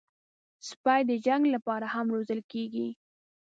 سپي د جنګ لپاره هم روزل کېږي.